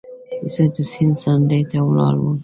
زه د سیند څنډې ته ولاړ وم.